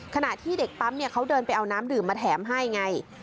ขณะที่เด็กปั๊มเขาเดินไปเอาน้ำดื่มมาแถมให้ไง